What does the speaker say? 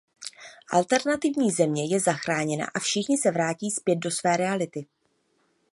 Alternativní Země je zachráněna a všichni se vrátí zpět do své reality.